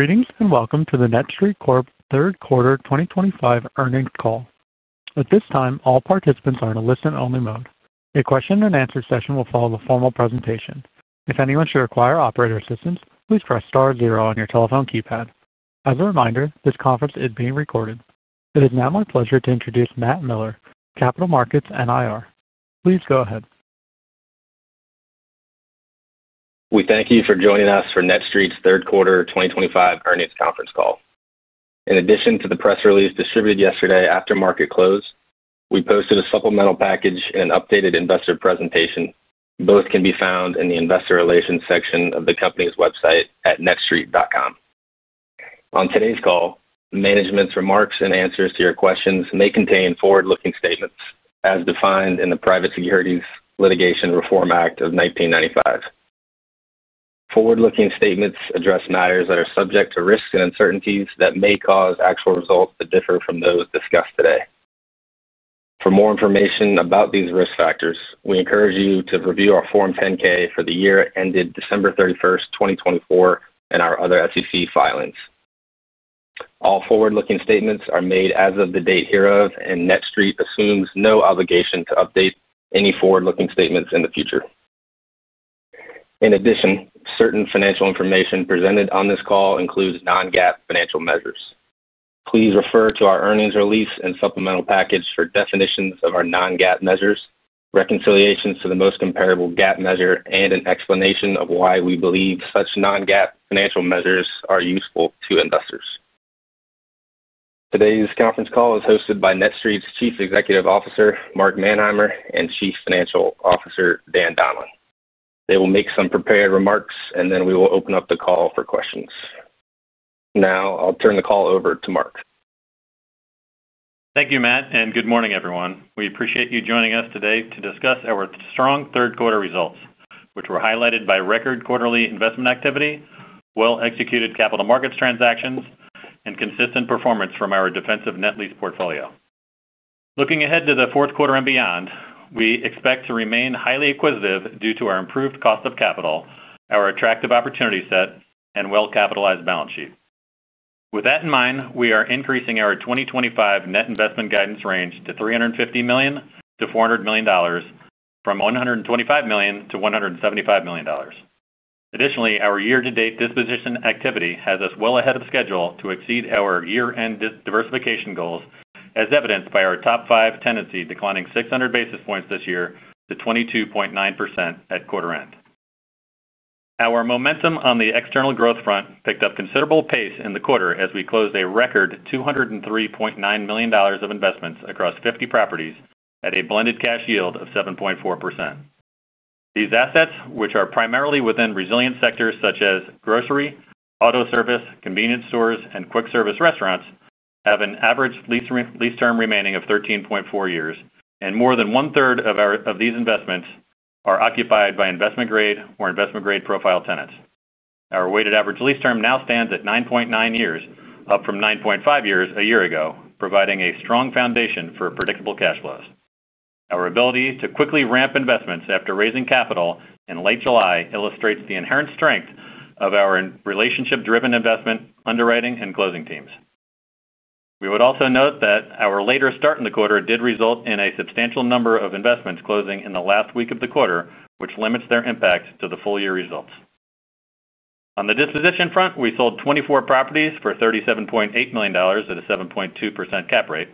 Greetings and welcome to the NETSTREIT Corp Third Quarter 2025 Earnings Call. At this time, all participants are in a listen-only mode. A question and answer session will follow the formal presentation. If anyone should require operator assistance, please press star zero on your telephone keypad. As a reminder, this conference is being recorded. It is now my pleasure to introduce Matt Miller, Capital Markets and IR. Please go ahead. We thank you for joining us for NETSTREIT's third quarter 2025 earnings conference call. In addition to the press release distributed yesterday after market close, we posted a supplemental package and an updated investor presentation. Both can be found in the investor relations section of the company's website at netstreit.com. On today's call, management's remarks and answers to your questions may contain forward-looking statements, as defined in the Private Securities Litigation Reform Act of 1995. Forward-looking statements address matters that are subject to risks and uncertainties that may cause actual results to differ from those discussed today. For more information about these risk factors, we encourage you to review our Form 10-K for the year ended December 31st, 2024, and our other SEC filings. All forward-looking statements are made as of the date hereof, and NETSTREIT assumes no obligation to update any forward-looking statements in the future. In addition, certain financial information presented on this call includes non-GAAP financial measures. Please refer to our earnings release and supplemental package for definitions of our non-GAAP measures, reconciliations to the most comparable GAAP measure, and an explanation of why we believe such non-GAAP financial measures are useful to investors. Today's conference call is hosted by NETSTREIT's Chief Executive Officer, Mark Manheimer, and Chief Financial Officer, Dan Donlan. They will make some prepared remarks, and then we will open up the call for questions. Now, I'll turn the call over to Mark. Thank you, Matt, and good morning, everyone. We appreciate you joining us today to discuss our strong third quarter results, which were highlighted by record quarterly investment activity, well-executed capital markets transactions, and consistent performance from our defensive net lease portfolio. Looking ahead to the fourth quarter and beyond, we expect to remain highly acquisitive due to our improved cost of capital, our attractive opportunity set, and well-capitalized balance sheet. With that in mind, we are increasing our 2025 net investment guidance range to $350 million-$400 million, from $125 million-$175 million. Additionally, our year-to-date disposition activity has us well ahead of schedule to exceed our year-end diversification goals, as evidenced by our top five tenancy declining 600 basis points this year to 22.9% at quarter end. Our momentum on the external growth front picked up considerable pace in the quarter as we closed a record $203.9 million of investments across 50 properties at a blended cash yield of 7.4%. These assets, which are primarily within resilient sectors such as grocery, auto service, convenience stores, and quick service restaurants, have an average lease term remaining of 13.4 years, and more than 1/3 of these investments are occupied by Investment Grade or Investment Grade profile tenants. Our weighted average lease term now stands at 9.9 years, up from 9.5 years a year ago, providing a strong foundation for predictable cash flows. Our ability to quickly ramp investments after raising capital in late July illustrates the inherent strength of our relationship-driven investment underwriting and closing teams. We would also note that our later start in the quarter did result in a substantial number of investments closing in the last week of the quarter, which limits their impact to the full year results. On the disposition front, we sold 24 properties for $37.8 million at a 7.2% cap rate,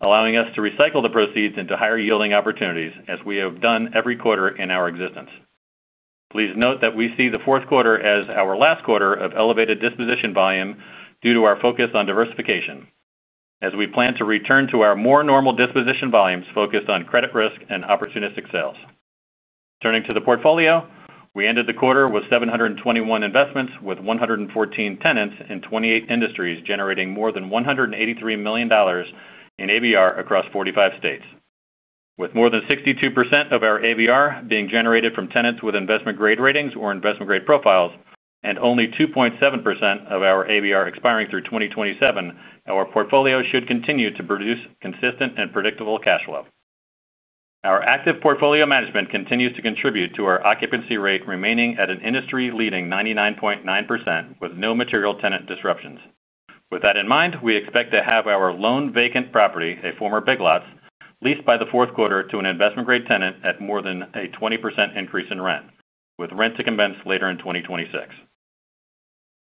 allowing us to recycle the proceeds into higher yielding opportunities as we have done every quarter in our existence. Please note that we see the fourth quarter as our last quarter of elevated disposition volume due to our focus on diversification, as we plan to return to our more normal disposition volumes focused on credit risk and opportunistic sales. Turning to the portfolio, we ended the quarter with 721 investments with 114 tenants in 28 industries, generating more than $183 million in ABR across 45 states. With more than 62% of our ABR being generated from tenants with investment grade ratings or investment grade profiles, and only 2.7% of our ABR expiring through 2027, our portfolio should continue to produce consistent and predictable cash flow. Our active portfolio management continues to contribute to our occupancy rate remaining at an industry-leading 99.9% with no material tenant disruptions. With that in mind, we expect to have our lone vacant property, a former Big Lots, leased by the fourth quarter to an investment grade tenant at more than a 20% increase in rent, with rent to commence later in 2026.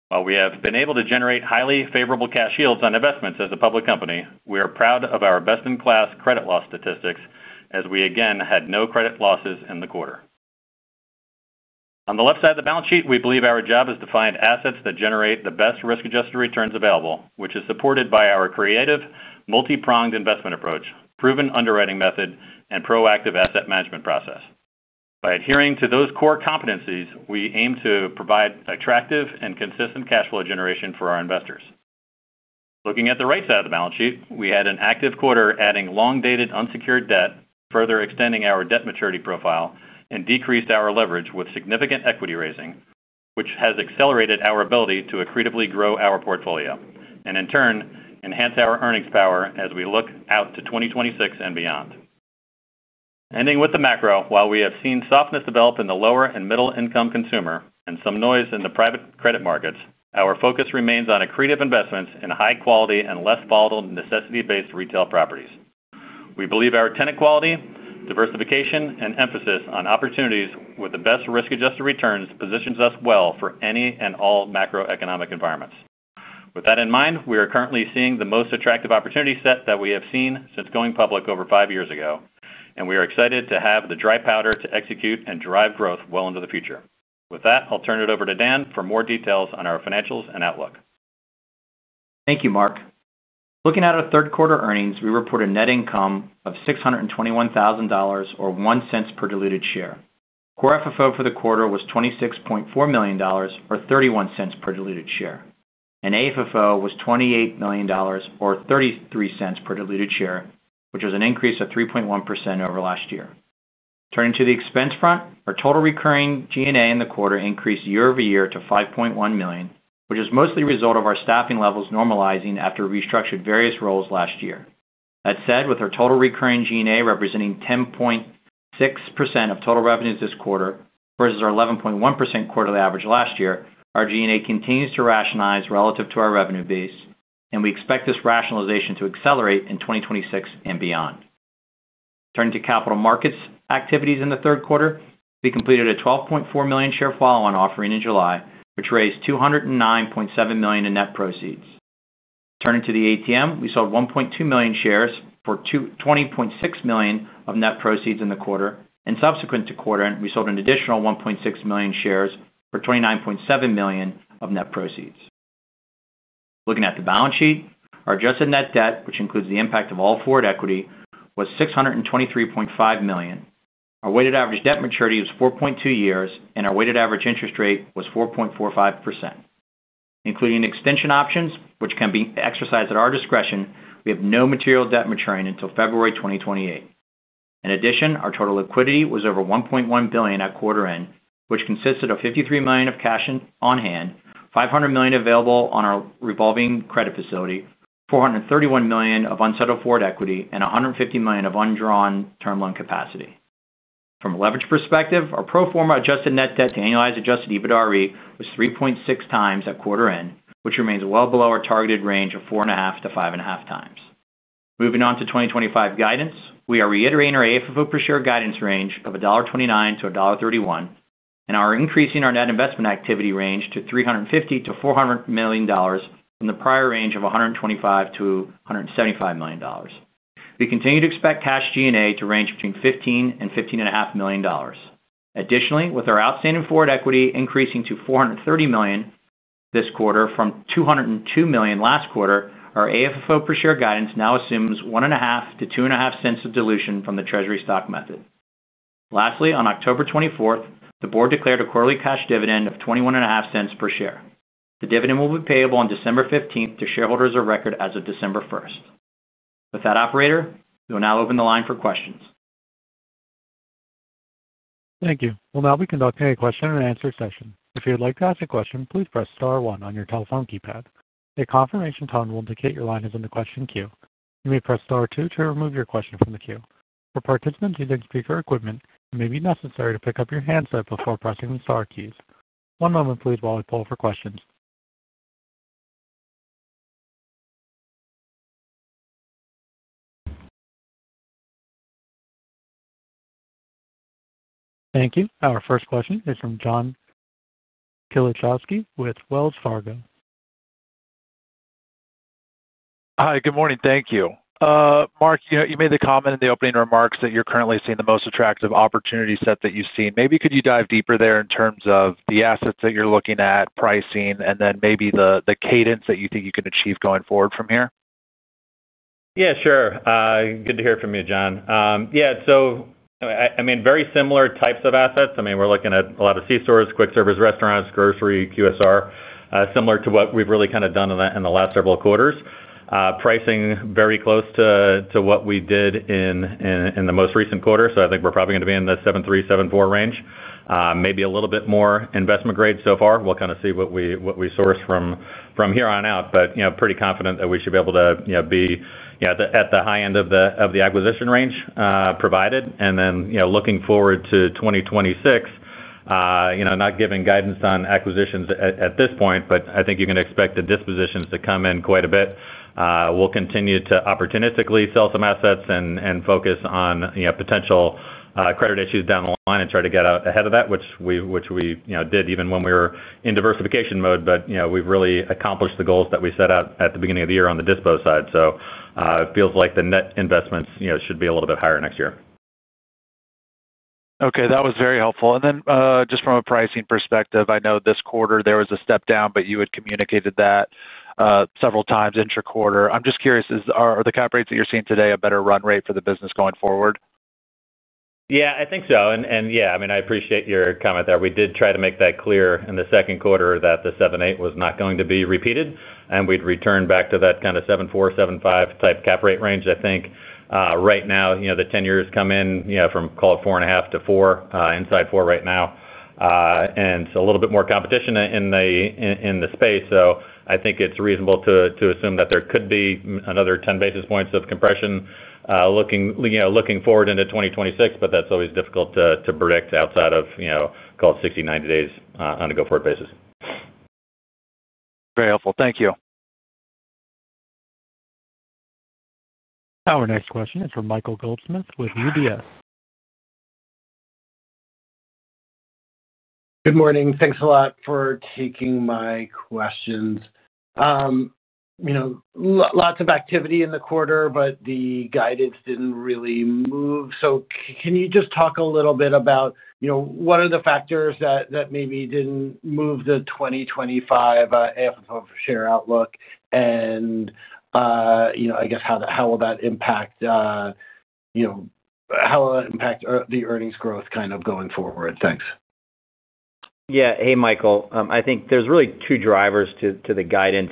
While we have been able to generate highly favorable cash yields on investments as a public company, we are proud of our best-in-class credit loss statistics, as we again had no credit losses in the quarter. On the left side of the balance sheet, we believe our job is to find assets that generate the best risk-adjusted returns available, which is supported by our creative, multi-pronged investment approach, proven underwriting method, and proactive asset management process. By adhering to those core competencies, we aim to provide attractive and consistent cash flow generation for our investors. Looking at the right side of the balance sheet, we had an active quarter adding long-dated unsecured debt, further extending our debt maturity profile, and decreased our leverage with significant equity raising, which has accelerated our ability to accretively grow our portfolio and, in turn, enhance our earnings power as we look out to 2026 and beyond. Ending with the macro, while we have seen softness develop in the lower and middle-income consumer and some noise in the private credit markets, our focus remains on accretive investments in high-quality and less volatile necessity-based retail properties. We believe our tenant quality, diversification, and emphasis on opportunities with the best risk-adjusted returns positions us well for any and all macroeconomic environments. With that in mind, we are currently seeing the most attractive opportunity set that we have seen since going public over five years ago, and we are excited to have the dry powder to execute and drive growth well into the future. With that, I'll turn it over to Dan for more details on our financials and outlook. Thank you, Mark. Looking at our third quarter earnings, we report a net income of $621,000 or $0.01 per diluted share. Core FFO for the quarter was $26.4 million or $0.31 per diluted share. AFFO was $28 million or $0.33 per diluted share, which was an increase of 3.1% over last year. Turning to the expense front, our total recurring G&A in the quarter increased year over year to $5.1 million, which is mostly a result of our staffing levels normalizing after we restructured various roles last year. That said, with our total recurring G&A representing 10.6% of total revenues this quarter versus our 11.1% quarterly average last year, our G&A continues to rationalize relative to our revenue base, and we expect this rationalization to accelerate in 2026 and beyond. Turning to capital markets activities in the third quarter, we completed a 12.4 million share follow-on offering in July, which raised $209.7 million in net proceeds. Turning to the ATM, we sold 1.2 million shares for $20.6 million of net proceeds in the quarter, and subsequent to quarter end, we sold an additional 1.6 million shares for $29.7 million of net proceeds. Looking at the balance sheet, our adjusted net debt, which includes the impact of all forward equity, was $623.5 million. Our weighted average debt maturity was 4.2 years, and our weighted average interest rate was 4.45%. Including extension options, which can be exercised at our discretion, we have no material debt maturing until February 2028. In addition, our total liquidity was over $1.1 billion at quarter end, which consisted of $53 million of cash on hand, $500 million available on our revolving credit facility, $431 million of unsettled forward equity, and $150 million of undrawn term loan capacity. From a leverage perspective, our pro forma adjusted net debt to annualized adjusted EBITDA re was 3.6x at quarter end, which remains well below our targeted range of 4.5x-5.5x. Moving on to 2025 guidance, we are reiterating our AFFO per share guidance range of $1.29-$1.31, and are increasing our net investment activity range to $350 million-$400 million from the prior range of $125 million-$175 million. We continue to expect cash G&A to range between $15 million and $15.5 million. Additionally, with our outstanding forward equity increasing to $430 million this quarter from $202 million last quarter, our AFFO per share guidance now assumes $0.015-$0.025 of dilution from the treasury stock method. Lastly, on October 24th, the board declared a quarterly cash dividend of $0.215 per share. The dividend will be payable on December 15th to shareholders of record as of December 1st. With that, operator, we will now open the line for questions. Thank you. We'll now be conducting a question and answer session. If you would like to ask a question, please press star one on your telephone keypad. A confirmation tone will indicate your line is in the question queue. You may press star two to remove your question from the queue. For participants using speaker equipment, it may be necessary to pick up your handset before pressing the star keys. One moment, please, while we poll for questions. Thank you. Our first question is from John Kilichowski with Wells Fargo. Hi. Good morning. Thank you. Mark, you know, you made the comment in the opening remarks that you're currently seeing the most attractive opportunity set that you've seen. Maybe could you dive deeper there in terms of the assets that you're looking at, pricing, and then maybe the cadence that you think you can achieve going forward from here? Yeah, sure. Good to hear from you, John. Yeah, so I mean, very similar types of assets. I mean, we're looking at a lot of C stores, quick service restaurants, grocery, QSR, similar to what we've really kind of done in the last several quarters. Pricing very close to what we did in the most recent quarter, so I think we're probably going to be in the [73-74] range. Maybe a little bit more investment grade so far. We'll kind of see what we source from here on out. But, you know, pretty confident that we should be able to, you know, be, you know, at the high end of the acquisition range, provided. And then, you know, looking forward to 2026, you know, not giving guidance on acquisitions at this point, but I think you can expect the dispositions to come in quite a bit. We'll continue to opportunistically sell some assets and focus on, you know, potential credit issues down the line and try to get out ahead of that, which we, you know, did even when we were in diversification mode. But, you know, we've really accomplished the goals that we set out at the beginning of the year on the dispos side. So, it feels like the net investments, you know, should be a little bit higher next year. Okay. That was very helpful. And then, just from a pricing perspective, I know this quarter there was a step down, but you had communicated that, several times intra-quarter. I'm just curious, are the cap rates that you're seeing today a better run rate for the business going forward? Yeah, I think so. And, and yeah, I mean, I appreciate your comment there. We did try to make that clear in the second quarter that the 7.8% was not going to be repeated, and we'd return back to that kind of 7.4%-7.5% type cap rate range. I think, right now, you know, the 10-year has come in, you know, from call it 4.5% to 4%, inside 4% right now. And so a little bit more competition in the space. So I think it's reasonable to assume that there could be another 10 basis points of compression, looking, you know, looking forward into 2026, but that's always difficult to predict outside of, you know, call it 60-90 days, on a go-forward basis. Very helpful. Thank you. Our next question is from Michael Goldsmith with UBS. Good morning. Thanks a lot for taking my questions. You know, lots of activity in the quarter, but the guidance didn't really move. So can you just talk a little bit about, you know, what are the factors that that maybe didn't move the 2025 AFFO for share outlook? And, you know, I guess how that how will that impact, you know, how will that impact the earnings growth kind of going forward? Thanks. Yeah. Hey, Michael. I think there's really two drivers to the guidance.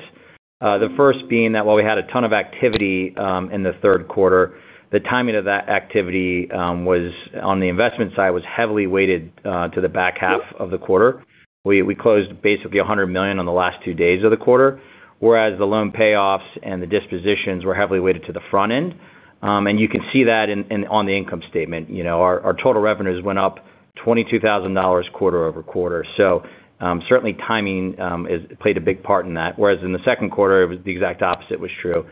The first being that while we had a ton of activity in the third quarter, the timing of that activity on the investment side was heavily weighted to the back half of the quarter. We closed basically $100 million on the last two days of the quarter, whereas the loan payoffs and the dispositions were heavily weighted to the front end. And you can see that in on the income statement. You know, our total revenues went up $22,000 quarter-over-quarter. So, certainly, timing has played a big part in that. Whereas in the second quarter, it was the exact opposite was true.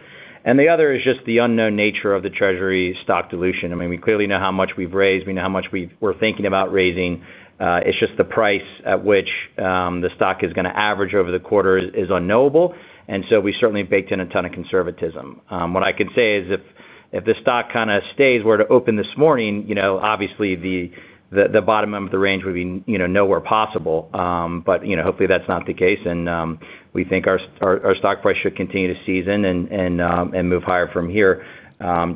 The other is just the unknown nature of the treasury stock dilution. I mean, we clearly know how much we've raised. We know how much we're thinking about raising. It's just the price at which the stock is going to average over the quarter is unknowable. And so we certainly baked in a ton of conservatism. What I can say is if this stock kind of stays where it opened this morning, you know, obviously the bottom end of the range would be, you know, nowhere possible. But you know, hopefully that's not the case. And we think our stock price should continue to season and move higher from here,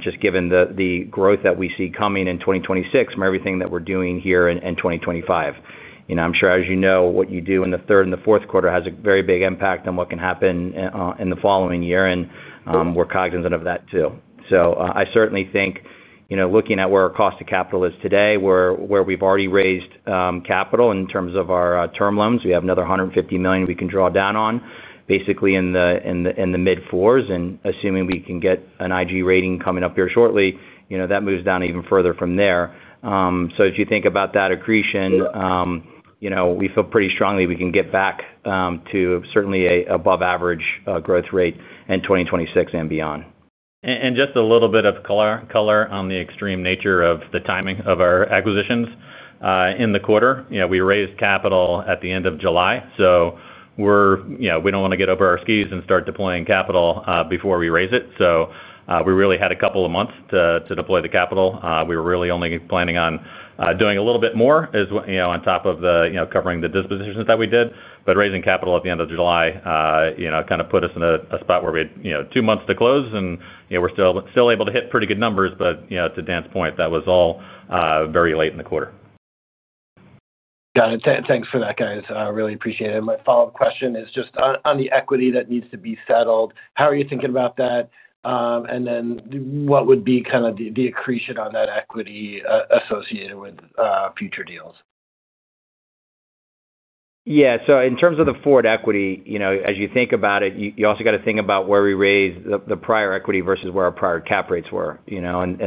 just given the growth that we see coming in 2026 from everything that we're doing here in 2025. You know, I'm sure as you know, what you do in the third and the fourth quarter has a very big impact on what can happen in the following year. We're cognizant of that too. So, I certainly think, you know, looking at where our cost of capital is today, where we've already raised capital in terms of our term loans, we have another $150 million we can draw down on, basically, in the mid-fours. And assuming we can get an IG rating coming up here shortly, you know, that moves down even further from there. So if you think about that accretion, you know, we feel pretty strongly we can get back to certainly an above-average growth rate in 2026 and beyond. Just a little bit of color on the extreme nature of the timing of our acquisitions in the quarter. You know, we raised capital at the end of July. So we're, you know, we don't want to get over our skis and start deploying capital before we raise it. So we really had a couple of months to deploy the capital. We were really only planning on doing a little bit more, as well, you know, on top of the, you know, covering the dispositions that we did. But raising capital at the end of July, you know, kind of put us in a spot where we had, you know, two months to close. And you know, we're still able to hit pretty good numbers. But you know, to Dan's point, that was all very late in the quarter. Got it. Thanks for that, guys. I really appreciate it. My follow-up question is just on the equity that needs to be settled. How are you thinking about that? And then what would be kind of the accretion on that equity, associated with future deals? Yeah. So in terms of the forward equity, you know, as you think about it, you also got to think about where we raised the prior equity versus where our prior cap rates were. You know, in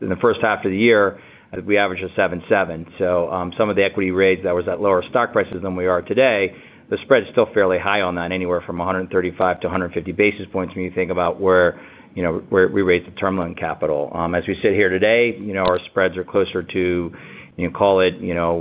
the first half of the year, we averaged a 7.7%. So, some of the equity raised, that was at lower stock prices than we are today. The spread is still fairly high on that, anywhere from 135-150 basis points when you think about where, you know, where we raised the term loan capital. As we sit here today, you know, our spreads are closer to, you know, call it, you know,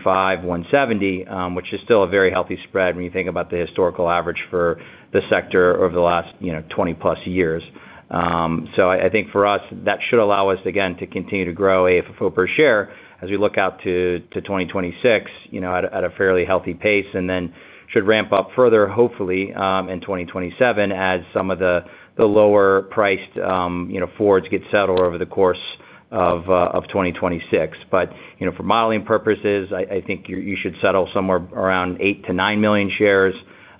165-170, which is still a very healthy spread when you think about the historical average for the sector over the last, you know, +20 years. So, I think for us, that should allow us, again, to continue to grow AFFO per share as we look out to 2026, you know, at a fairly healthy pace. And then should ramp up further, hopefully, in 2027 as some of the lower priced, you know, forwards get settled over the course of 2026. But, you know, for modeling purposes, I think you should settle somewhere around 8 million-9 million shares,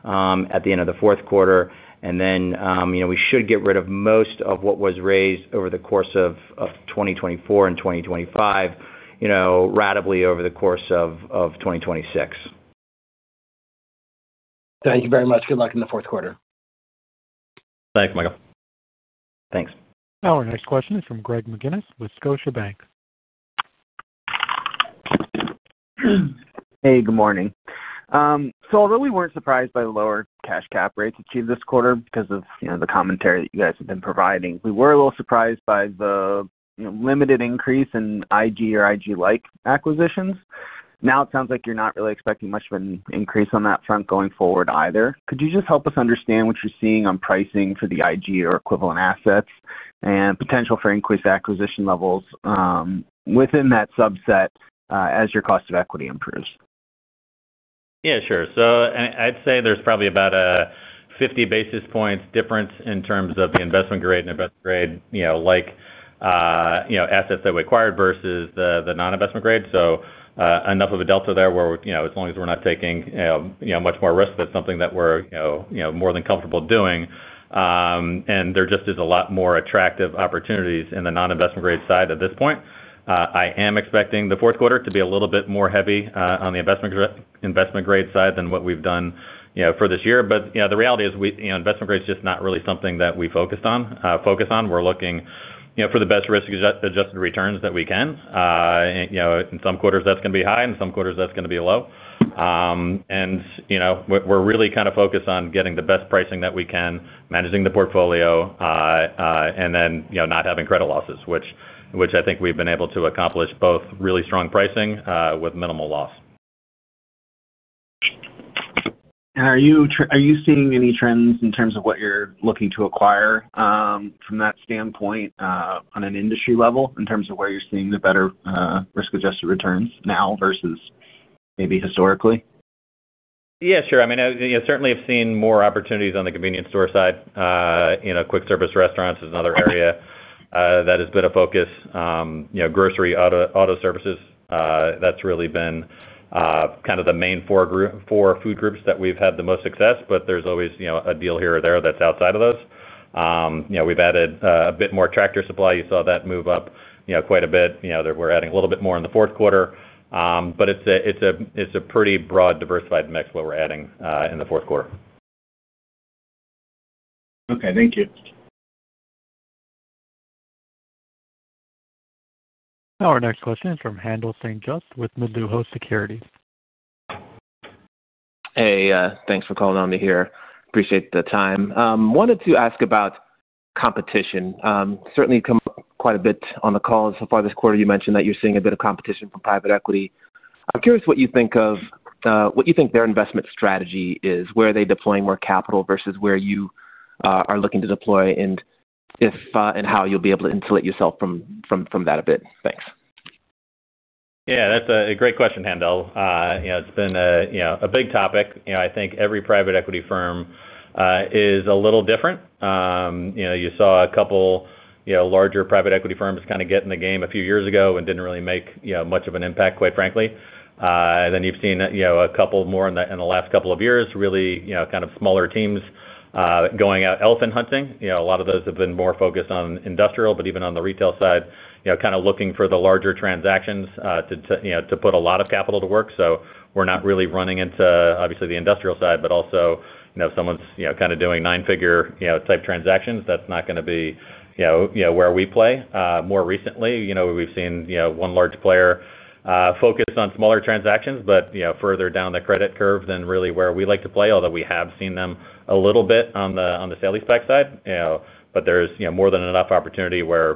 at the end of the fourth quarter. And then, you know, we should get rid of most of what was raised over the course of 2024 and 2025, you know, ratably over the course of 2026. Thank you very much. Good luck in the fourth quarter. Thanks, Michael. Thanks. Our next question is from Greg McGinniss with Scotiabank. Hey, good morning. So I really weren't surprised by the lower cash cap rates achieved this quarter because of, you know, the commentary that you guys have been providing. We were a little surprised by the, you know, limited increase in IG or IG-like acquisitions. Now it sounds like you're not really expecting much of an increase on that front going forward either. Could you just help us understand what you're seeing on pricing for the IG or equivalent assets and potential for increased acquisition levels, within that subset, as your cost of equity improves? Yeah, sure. So I'd say there's probably about a 50 basis points difference in terms of the Investment Grade and Investment Grade, you know, like, you know, assets that we acquired versus the non-Investment Grade. So, enough of a delta there where we, you know, as long as we're not taking, you know, you know, much more risk, that's something that we're, you know, you know, more than comfortable doing. There just is a lot more attractive opportunities in the non-Investment Grade side at this point. I am expecting the fourth quarter to be a little bit more heavy on the Investment Grade side than what we've done, you know, for this year. But, you know, the reality is we, you know, Investment Grade is just not really something that we focused on, focus on. We're looking, you know, for the best risk-adjusted returns that we can. You know, in some quarters, that's going to be high. In some quarters, that's going to be low. You know, we're really kind of focused on getting the best pricing that we can, managing the portfolio, and then, you know, not having credit losses, which I think we've been able to accomplish both really strong pricing, with minimal loss. Are you seeing any trends in terms of what you're looking to acquire, from that standpoint, on an industry level in terms of where you're seeing the better, risk-adjusted returns now versus maybe historically? Yeah, sure. I mean, you know, certainly, I've seen more opportunities on the convenience store side. You know, quick service restaurants is another area that has been a focus. You know, grocery, auto services, that's really been kind of the main four group four food groups that we've had the most success. But there's always, you know, a deal here or there that's outside of those. You know, we've added a bit more Tractor Supply. You saw that move up, you know, quite a bit. You know, we're adding a little bit more in the fourth quarter. But it's a pretty broad diversified mix what we're adding in the fourth quarter. Okay. Thank you. Our next question is from Haendel St. Juste with Mizuho Securities. Hey, thanks for calling on me here. Appreciate the time. Wanted to ask about competition. Certainly come up quite a bit on the calls so far this quarter. You mentioned that you're seeing a bit of competition from private equity. I'm curious what you think their investment strategy is, where are they deploying more capital versus where you are looking to deploy, and how you'll be able to insulate yourself from that a bit. Thanks. Yeah, that's a great question, Haendel. You know, it's been a, you know, a big topic. You know, I think every private equity firm is a little different. You know, you saw a couple, you know, larger private equity firms kind of get in the game a few years ago and didn't really make, you know, much of an impact, quite frankly. Then you've seen, you know, a couple more in the in the last couple of years, really, you know, kind of smaller teams, going out elephant hunting. You know, a lot of those have been more focused on industrial, but even on the retail side, you know, kind of looking for the larger transactions, to, you know, to put a lot of capital to work. So we're not really running into, obviously, the industrial side, but also, you know, if someone's, you know, kind of doing nine-figure, you know, type transactions, that's not going to be, you know, where we play. More recently, you know, we've seen, you know, one large player, focused on smaller transactions, but, you know, further down the credit curve than really where we like to play, although we have seen them a little bit on the sale-leaseback side. You know, but there's, you know, more than enough opportunity where,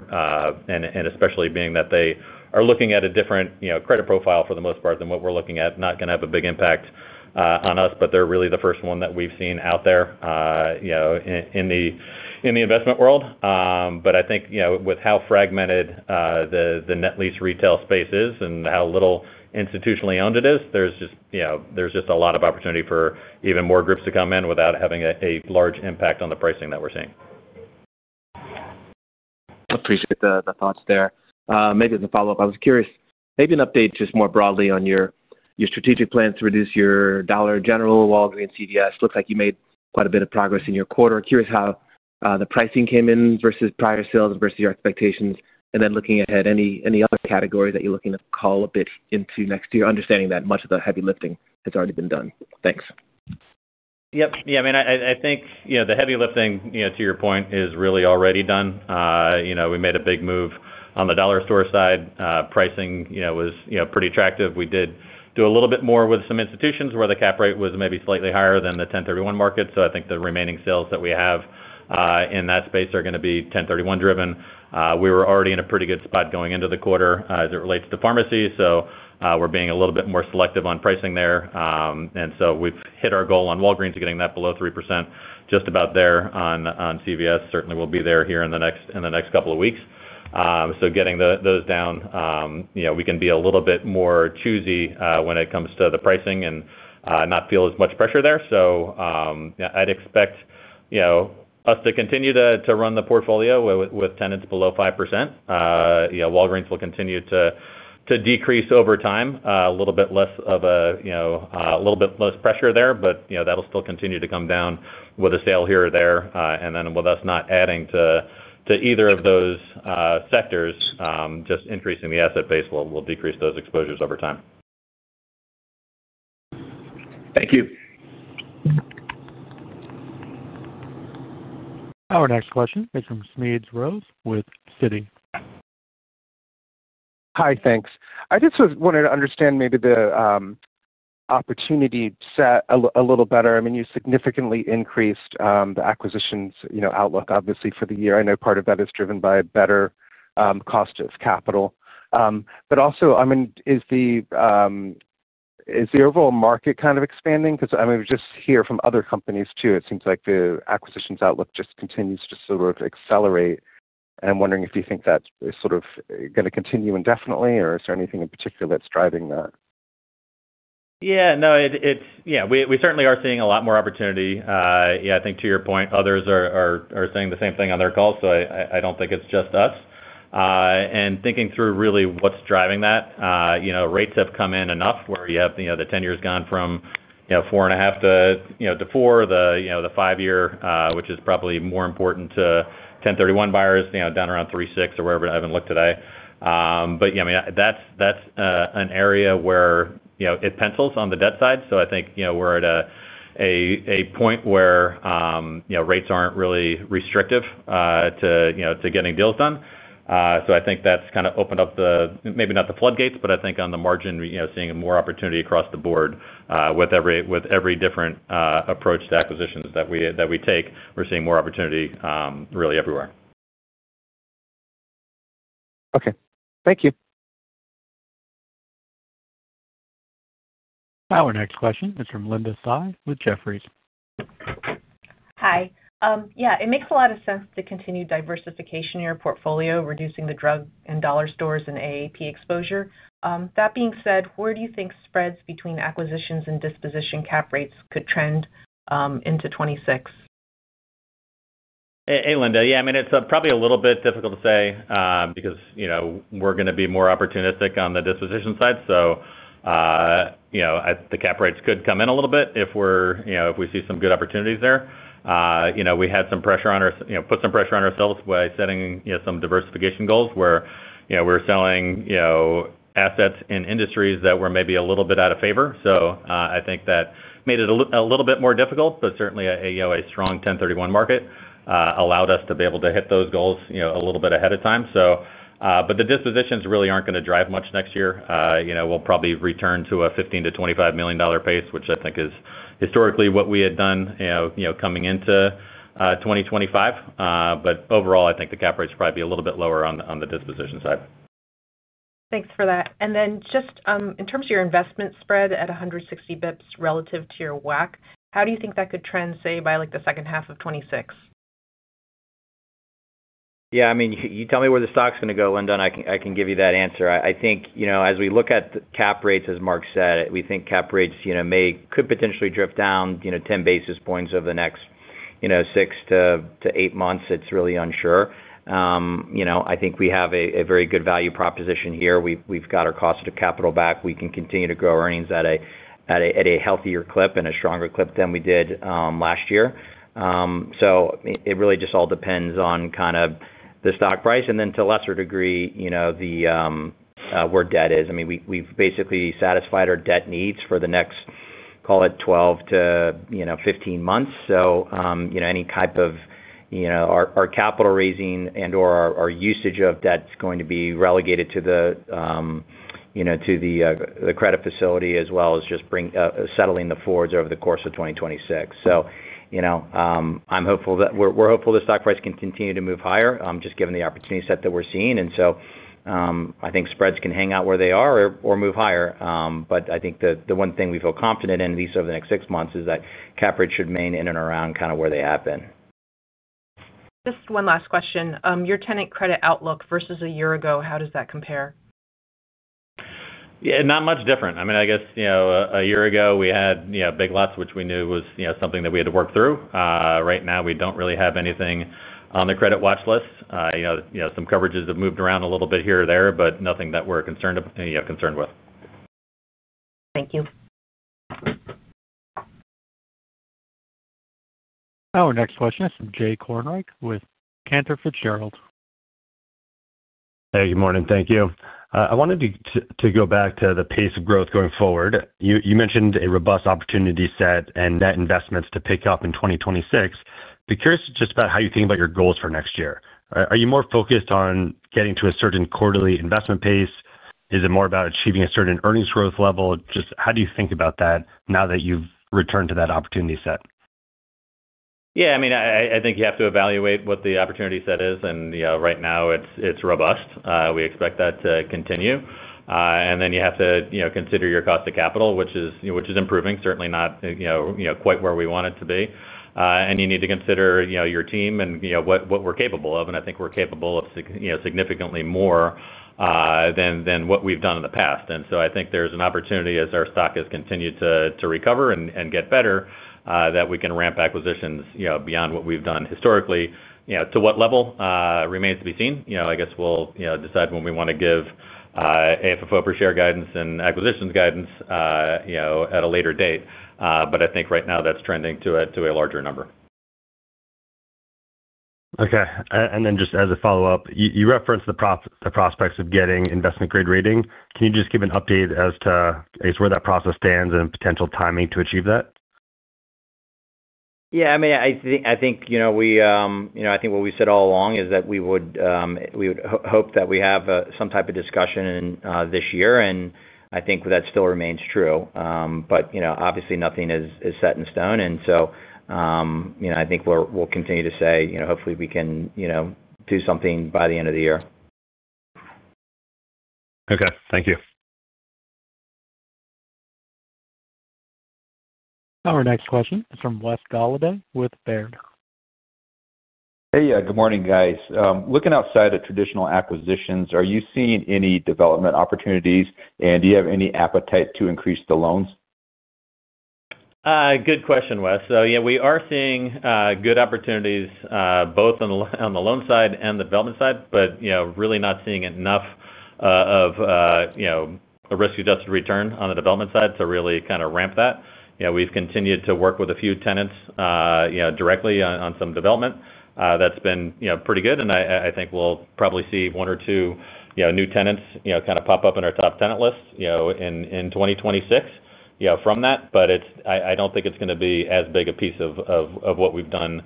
and especially being that they are looking at a different, you know, credit profile for the most part than what we're looking at, not going to have a big impact on us. But they're really the first one that we've seen out there, you know, in the investment world. I think, you know, with how fragmented the net lease retail space is and how little institutionally owned it is, there's just, you know, a lot of opportunity for even more groups to come in without having a large impact on the pricing that we're seeing. Appreciate the thoughts there. Maybe as a follow-up, I was curious, maybe an update just more broadly on your strategic plans to reduce your Dollar General. Walgreens, CVS, looks like you made quite a bit of progress in your quarter. Curious how the pricing came in versus prior sales versus your expectations. And then looking ahead, any other categories that you're looking to call a bit into next year, understanding that much of the heavy lifting has already been done. Thanks. Yep. Yeah, I mean, I think, you know, the heavy lifting, you know, to your point, is really already done. You know, we made a big move on the dollar store side. Pricing, you know, was, you know, pretty attractive. We did do a little bit more with some institutions where the cap rate was maybe slightly higher than the 1031 market. So I think the remaining sales that we have, in that space are going to be 1031 driven. We were already in a pretty good spot going into the quarter, as it relates to pharmacy. So, we're being a little bit more selective on pricing there. And so we've hit our goal on Walgreens of getting that below 3%, just about there on CVS. Certainly, we'll be there here in the next couple of weeks. So, getting those down, you know, we can be a little bit more choosy when it comes to the pricing and not feel as much pressure there. So, I'd expect, you know, us to continue to run the portfolio with tenants below 5%. You know, Walgreens will continue to decrease over time, a little bit less of a, you know, a little bit less pressure there. But, you know, that'll still continue to come down with a sale here or there. And then with us not adding to either of those sectors, just increasing the asset base will decrease those exposures over time. Thank you. Our next question is from Smedes Rose with Citi. Hi, thanks. I just wanted to understand maybe the opportunity set a little a little better. I mean, you significantly increased the acquisitions, you know, outlook, obviously, for the year. I know part of that is driven by a better cost of capital. But also, I mean, is the overall market kind of expanding? Because, I mean, we just hear from other companies too. It seems like the acquisitions outlook just continues to sort of accelerate. I'm wondering if you think that is sort of going to continue indefinitely, or is there anything in particular that's driving that? Yeah, no, it's yeah, we certainly are seeing a lot more opportunity. Yeah, I think to your point, others are saying the same thing on their calls. So I don't think it's just us. Thinking through really what's driving that, you know, rates have come in enough where you have, you know, the ten-year's gone from, you know, 4.5% to 4%, the 5-year, which is probably more important to 1031 buyers, you know, down around 3.6% or wherever. I haven't looked today. But yeah, I mean, that's an area where, you know, it pencils on the debt side. So I think, you know, we're at a point where, you know, rates aren't really restrictive to getting deals done. I think that's kind of opened up the maybe not the floodgates, but I think on the margin, you know, seeing a more opportunity across the board, with every different approach to acquisitions that we take, we're seeing more opportunity, really everywhere. Okay. Thank you. Our next question is from Linda Tsai with Jefferies. Hi. Yeah, it makes a lot of sense to continue diversification in your portfolio, reducing the drug and dollar stores and AAP exposure. That being said, where do you think spreads between acquisitions and disposition cap rates could trend into 2026? Hey, Linda. Yeah, I mean, it's probably a little bit difficult to say, because, you know, we're going to be more opportunistic on the disposition side. So, you know, the cap rates could come in a little bit if we're, you know, if we see some good opportunities there. You know, we had some pressure on our, you know, put some pressure on ourselves by setting, you know, some diversification goals where, you know, we were selling, you know, assets in industries that were maybe a little bit out of favor. So, I think that made it a little bit more difficult, but certainly, a, you know, a strong 1031 market, allowed us to be able to hit those goals, you know, a little bit ahead of time. So, but the dispositions really aren't going to drive much next year. You know, we'll probably return to a $15 million-$25 million pace, which I think is historically what we had done, you know, you know, coming into 2025. But overall, I think the cap rates will probably be a little bit lower on the disposition side. Thanks for that. Then just, in terms of your investment spread at 160 bps relative to your WACC, how do you think that could trend, say, by like the second half of 2026? Yeah, I mean, you tell me where the stock's going to go, Linda, and I can give you that answer. I think, you know, as we look at the cap rates, as Mark said, we think cap rates, you know, may could potentially drift down, you know, 10 basis points over the next, you know, six to eight months. It's really unsure. You know, I think we have a very good value proposition here. We've got our cost of capital back. We can continue to grow earnings at a healthier clip and a stronger clip than we did last year. So it really just all depends on kind of the stock price. And then to a lesser degree, you know, the where debt is. I mean, we've basically satisfied our debt needs for the next, call it, 12-15 months. So, you know, any type of, you know, our capital raising and/or our usage of debt is going to be relegated to the, you know, to the credit facility as well as just bringing, settling the forwards over the course of 2026. So, you know, I'm hopeful that we're hopeful the stock price can continue to move higher, just given the opportunity set that we're seeing. And so, I think spreads can hang out where they are or move higher. But I think the one thing we feel confident in at least over the next six months is that cap rates should remain in and around kind of where they have been. Just one last question. Your tenant credit outlook versus a year ago, how does that compare? Yeah, not much different. I mean, I guess, you know, a year ago, we had, you know, Big Lots, which we knew was, you know, something that we had to work through. Right now, we don't really have anything on the credit watch list. You know, you know, some coverages have moved around a little bit here or there, but nothing that we're concerned about, you know, concerned with. Thank you. Our next question is from Jay Kornreich with Cantor Fitzgerald. Hey, good morning. Thank you. I wanted to go back to the pace of growth going forward. You mentioned a robust opportunity set and net investments to pick up in 2026. Be curious just about how you think about your goals for next year. Are you more focused on getting to a certain quarterly investment pace? Is it more about achieving a certain earnings growth level? Just how do you think about that now that you've returned to that opportunity set? Yeah, I mean, I think you have to evaluate what the opportunity set is. And, you know, right now, it's robust. We expect that to continue. And then you have to, you know, consider your cost of capital, which is, you know, which is improving. Certainly not, you know, quite where we want it to be. And you need to consider, you know, your team and, you know, what we're capable of. And I think we're capable of, you know, significantly more than what we've done in the past. And so I think there's an opportunity as our stock has continued to recover and get better, that we can ramp acquisitions, you know, beyond what we've done historically. You know, to what level remains to be seen. You know, I guess we'll, you know, decide when we want to give, AFFO per share guidance and acquisitions guidance, you know, at a later date. But I think right now, that's trending to a larger number. Okay. And then just as a follow-up, you referenced the prospects of getting Investment Grade rating. Can you just give an update as to, I guess, where that process stands and potential timing to achieve that? Yeah, I mean, I think, you know, we, you know, I think what we've said all along is that we would hope that we have some type of discussion in this year. And I think that still remains true. But, you know, obviously, nothing is set in stone. And so, you know, I think we'll continue to say, you know, hopefully, we can, you know, do something by the end of the year. Okay. Thank you. Our next question is from Wes Golladay with Baird. Hey, good morning, guys. Looking outside of traditional acquisitions, are you seeing any development opportunities? Do you have any appetite to increase the loans? Good question, Wes. So, yeah, we are seeing good opportunities, both on the loan side and the development side, but you know, really not seeing enough of you know, a risk-adjusted return on the development side to really kind of ramp that. You know, we've continued to work with a few tenants you know, directly on some development. That's been you know, pretty good. And I think we'll probably see one or two you know, new tenants you know, kind of pop up in our top tenant list you know, in 2026 you know, from that. But it's I don't think it's going to be as big a piece of what we've done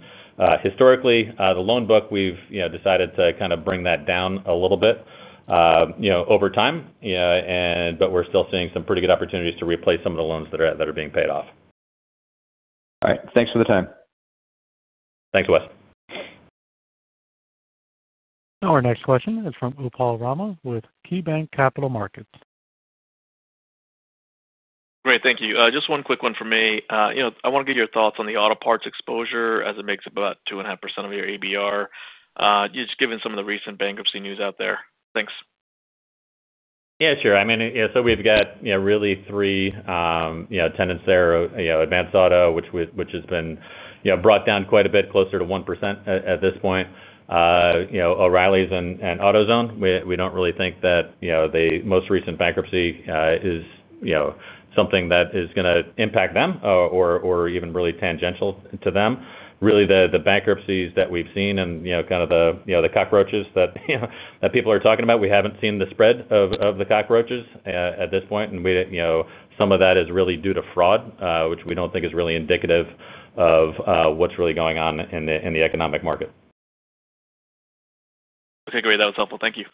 historically. The loan book, we've you know, decided to kind of bring that down a little bit you know, over time. Yeah, but we're still seeing some pretty good opportunities to replace some of the loans that are being paid off. All right. Thanks for the time. Thanks, Wes. Our next question is from Upal Rana with KeyBanc Capital Markets. Great. Thank you. Just one quick one from me. You know, I want to get your thoughts on the auto parts exposure as it makes up about 2.5% of your ABR. You just given some of the recent bankruptcy news out there. Thanks. Yeah, sure. I mean, you know, so we've got, you know, really three, you know, tenants there, you know, Advance Auto, which has been, you know, brought down quite a bit, closer to 1% at this point. You know, O'Reilly's and AutoZone. We don't really think that, you know, the most recent bankruptcy is, you know, something that is going to impact them or even really tangential to them. Really, the bankruptcies that we've seen and, you know, kind of the, you know, the cockroaches that, you know, that people are talking about, we haven't seen the spread of the cockroaches at this point. And we, you know, some of that is really due to fraud, which we don't think is really indicative of what's really going on in the economic market. Okay. Great. That was helpful. Thank you.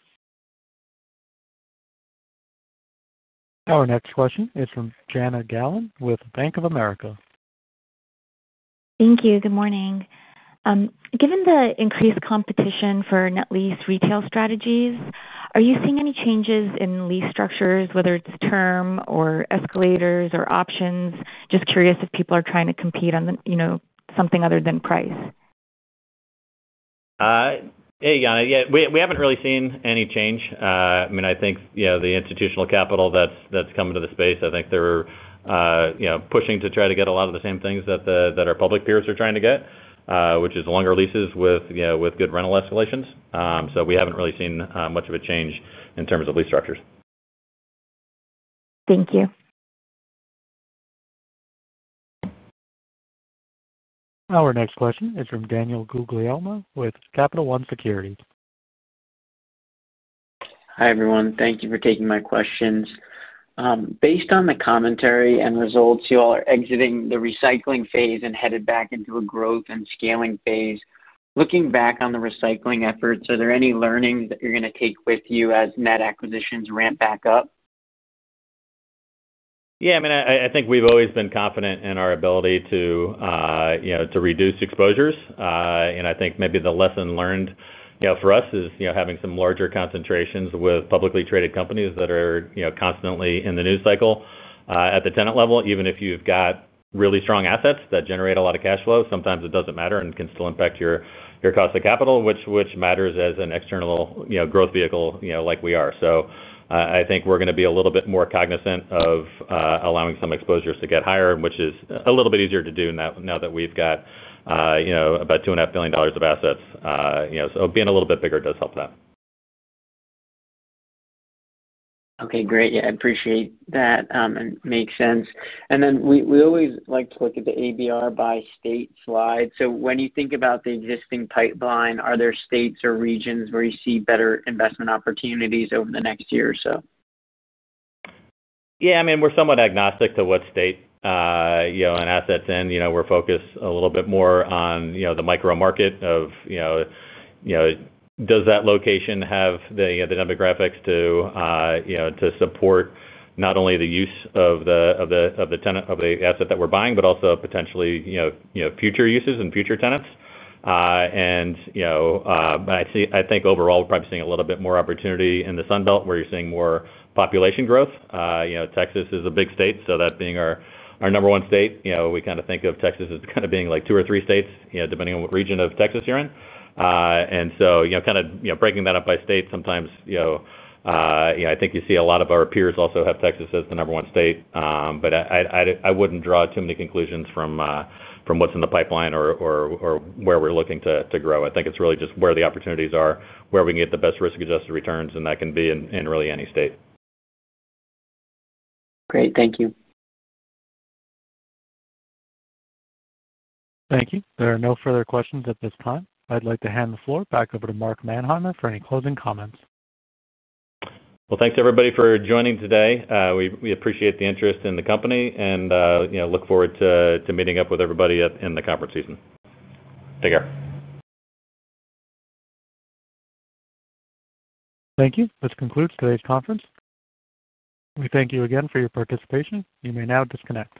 Our next question is from Jana Galan with Bank of America. Thank you. Good morning. Given the increased competition for net lease retail strategies, are you seeing any changes in lease structures, whether it's term or escalators or options? Just curious if people are trying to compete on the, you know, something other than price. Hey, Jana. Yeah, we haven't really seen any change. I mean, I think, you know, the institutional capital that's coming to the space, I think they're, you know, pushing to try to get a lot of the same things that our public peers are trying to get, which is longer leases with, you know, with good rental escalations. So we haven't really seen much of a change in terms of lease structures. Thank you. Our next question is from Daniel Guglielmo with Capital One Securities. Hi, everyone. Thank you for taking my questions. Based on the commentary and results, you all are exiting the recycling phase and headed back into a growth and scaling phase. Looking back on the recycling efforts, are there any learnings that you're going to take with you as net acquisitions ramp back up? Yeah, I mean, I think we've always been confident in our ability to, you know, to reduce exposures. And I think maybe the lesson learned, you know, for us is, you know, having some larger concentrations with publicly traded companies that are, you know, constantly in the news cycle, at the tenant level. Even if you've got really strong assets that generate a lot of cash flow, sometimes it doesn't matter and can still impact your cost of capital, which matters as an external, you know, growth vehicle, you know, like we are. So, I think we're going to be a little bit more cognizant of allowing some exposures to get higher, which is a little bit easier to do now that we've got, you know, about $2.5 billion of assets. You know, so being a little bit bigger does help that. Okay. Great. Yeah, I appreciate that. And makes sense. And then we always like to look at the ABR by state slide. So when you think about the existing pipeline, are there states or regions where you see better investment opportunities over the next year or so? Yeah, I mean, we're somewhat agnostic to what state, you know, an asset's in. You know, we're focused a little bit more on, you know, the micro market of, you know, you know, does that location have the, you know, the demographics to, you know, to support not only the use of the tenant of the asset that we're buying, but also potentially, you know, you know, future uses and future tenants? And, you know, I see I think overall, we're probably seeing a little bit more opportunity in the Sun Belt where you're seeing more population growth. You know, Texas is a big state. So that being our our number one state, you know, we kind of think of Texas as kind of being like two or three states, you know, depending on what region of Texas you're in. And so, you know, kind of, you know, breaking that up by state sometimes, you know, you know, I think you see a lot of our peers also have Texas as the number one state. But I wouldn't draw too many conclusions from what's in the pipeline or where we're looking to grow. I think it's really just where the opportunities are, where we can get the best risk-adjusted returns, and that can be in really any state. Great. Thank you. Thank you. There are no further questions at this time. I'd like to hand the floor back over to Mark Manheimer for any closing comments. Well, thanks, everybody, for joining today. We appreciate the interest in the company and, you know, look forward to meeting up with everybody in the conference season. Take care. Thank you. This concludes today's conference. We thank you again for your participation. You may now disconnect.